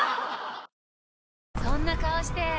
そんな顔して！